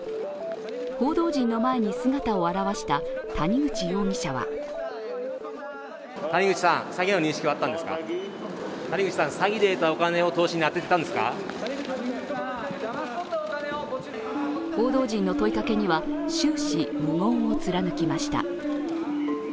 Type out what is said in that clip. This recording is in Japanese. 報道陣の前に姿を現した谷口容疑者は報道陣の問いかけには、終始無言を貫きました。